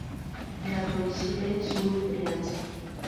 La Croisille-sur-Briance